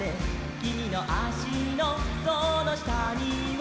「きみのあしのそのしたには」